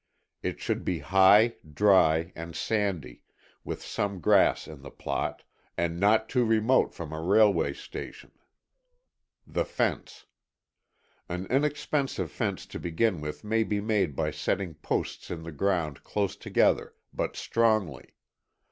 It should be high, dry and sandy, with some grass in the plot, and not too remote from a railway station. 3.ŌĆöThe Fence. An inexpensive fence to begin with may be made by setting posts in the ground close together, but strongly.